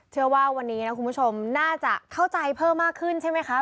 เชื่อว่าวันนี้นะคุณผู้ชมน่าจะเข้าใจเพิ่มมากขึ้นใช่ไหมคะ